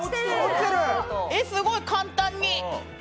え、すごい、簡単に！